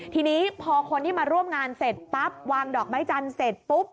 ทีนี้พอคนที่มาร่วมงานเสร็จปั๊บวางดอกไม้จันทร์เสร็จปุ๊บ